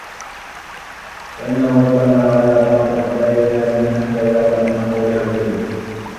فَإِنَّهُ رُبَّمَا غَلَا بَعْضُ الْأَتْبَاعِ فِي عَالِمِهِمْ حَتَّى يَرَوْا أَنَّ قَوْلَهُ دَلِيلٌ